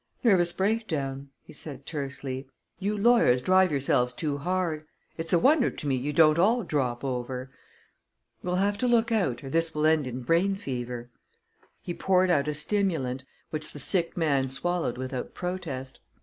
"Nervous breakdown," he said tersely. "You lawyers drive yourselves too hard. It's a wonder to me you don't all drop over. We'll have to look out, or this will end in brain fever." He poured out a stimulant, which the sick man swallowed without protest.